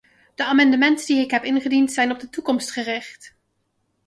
De amendementen die ik heb ingediend zijn op de toekomst gericht.